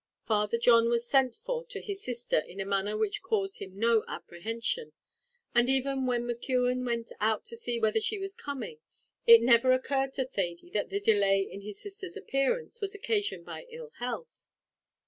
Father John was sent for to his sister in a manner which caused him no apprehension, and even when McKeon went out to see whether she was coming, it never occurred to Thady that the delay in his sister's appearance was occasioned by ill health.